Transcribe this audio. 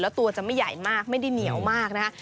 แล้วตัวจะไม่ใหญ่มากไม่ได้เหนียวมากนะคะ